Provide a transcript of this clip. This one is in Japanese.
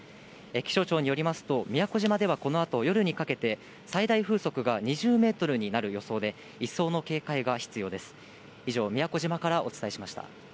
気象庁によりますと、宮古島ではこのあと、夜にかけて、最大風速が２０メートルになる予想で、一層の警戒が必要です。